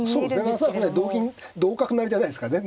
７三歩成同銀同角成じゃないですかね。